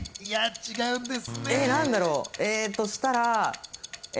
違うんです。